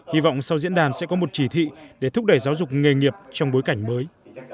hy vọng sau diễn đàn sẽ có một chỉ thị để thúc đẩy giáo dục nghề nghiệp trong bối cảnh mới